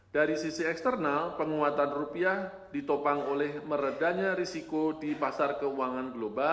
dari sisi eksternal penguatan rupiah ditopang oleh meredanya risiko di pasar keuangan global